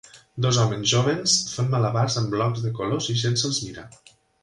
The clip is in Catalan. Dos homes joves fan malabars amb blocs de colors i gent se'ls mira.